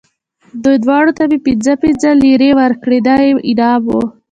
دوی دواړو ته مې پنځه پنځه لېرې ورکړې، دا یې انعام و.